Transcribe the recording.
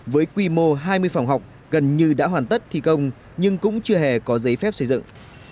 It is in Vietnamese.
với quy mô hai mươi phòng học gần như đã hoàn tất thi công nhưng cũng chưa hề có giấy phép xây dựng